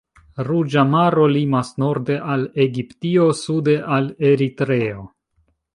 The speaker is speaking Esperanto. Ruĝa Maro limas norde al Egiptio, sude al Eritreo.